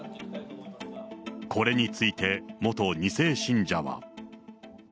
これについて元２世信者は。